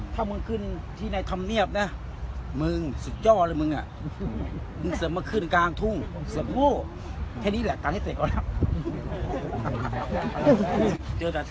ถ้ามึงขึ้นที่ในธรรมเนียบน่ะมึงสุดยอดละมึงน่ะอือ